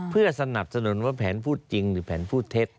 เพื่อสนับสนุนว่าแผนพูดจริงหรือแผนพูดเท็จ